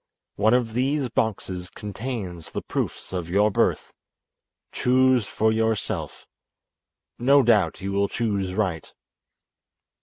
One of these boxes contains the proofs of your birth. Choose for yourself. No doubt you will choose right."